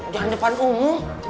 jangan depan umu